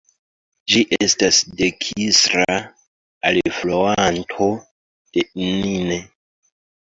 Ĝi estas dekstra alfluanto de Inn.